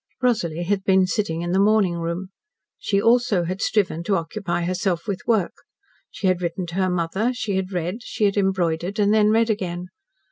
..... Rosalie had been sitting in the morning room. She also had striven to occupy herself with work. She had written to her mother, she had read, she had embroidered, and then read again.